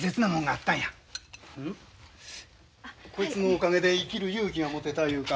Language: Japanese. こいつのおかげで生きる勇気が持てたいうか。